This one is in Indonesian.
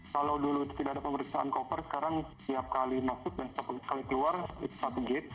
kalau dulu tidak ada pemeriksaan koper sekarang setiap kali masuk dan sekali keluar satu gate